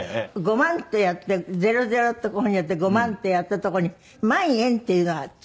「５万」とやって「００」とこういう風にやって「５万」ってやったとこに「万円」っていうのが。